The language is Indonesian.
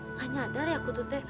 gak nyadar ya kutu teh